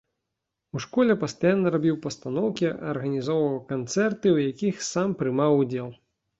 У школе пастаянна рабіў пастаноўкі, арганізоўваў канцэрты, у якіх сам прымаў удзел.